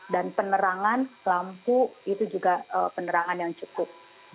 dan penerangan lampu itu juga penerangan yang cukup